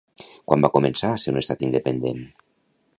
Quan va començar a ser un estat independent?